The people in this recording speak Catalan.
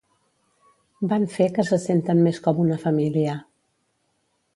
Van fer que se senten més com una família.